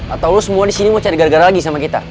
atau lo semua disini mau cari gara gara lagi sama kita